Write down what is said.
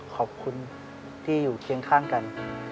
ขอบคุณที่อยู่เคียงข้างกัน